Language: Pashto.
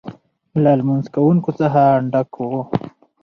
له لمونځ کوونکو څخه ډک و.